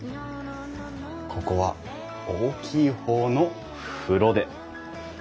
ここは大きい方の風呂で。